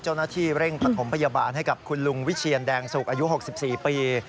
เจ้าหน้าที่เร่งปฐมพยาบาลให้กับคุณลุงวิเชียนแดงสุกอายุ๖๔ปี